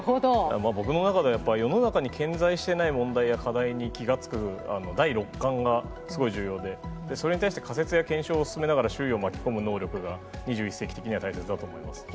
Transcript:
僕の中ではやっぱり、世の中に顕在してない問題や課題に気が付く、第六感がすごい重要で、それに対して仮説や検証を進めながら、周囲を巻き込む能力が、２１世紀的には大切だと思います。